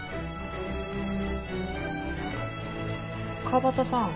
川端さん。